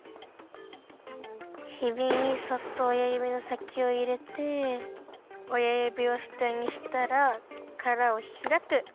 ヒビにそっとおやゆびのさきをいれておやゆびをしたにしたらからをひらく！